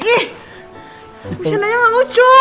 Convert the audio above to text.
ih bercandanya gak lucu